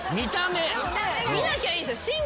見なきゃいいんですよ。